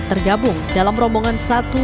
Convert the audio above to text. tergabung dalam rombongan satu